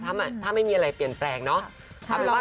ถ้าไม่มีอะไรเปลี่ยนแปลงเนาะ